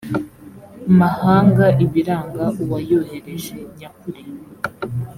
mahanga ibiranga uwayohereje nyakuri